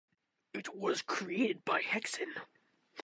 It was created by Hexen.